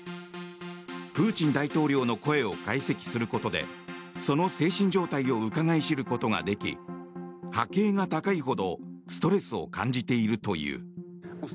プーチン大統領の声を解析することでその精神状態をうかがい知ることができ波形が高いほどストレスを感じているという。